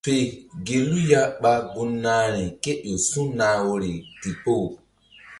Fe gelu ya ɓa gun nahri kéƴo su̧nah woyri ndikpoh.